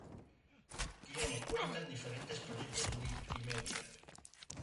Tiene cuenta en diferentes proyectos Wikimedia.